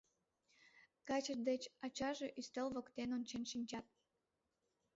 Каче ден ачаже ӱстел воктен ончен шинчат.